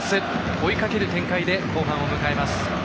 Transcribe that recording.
追いかける展開で後半を迎えます。